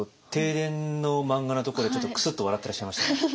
停電の漫画のところでちょっとクスッと笑ってらっしゃいました。